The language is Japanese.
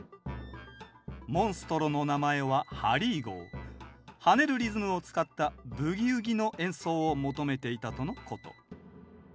モンストロの名前は跳ねるリズムを使った「ブギウギ」の演奏を求めていたとのこと。